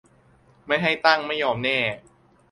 ไม่ให้ตั้งไม่ยอมแน่